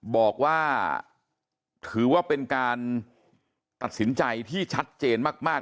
บอกว่าถือว่าเป็นการตัดสินใจที่ชัดเจนมาก